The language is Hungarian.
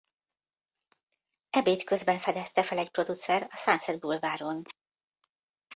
Ebéd közben fedezte fel egy producer a Sunset Boulevardon.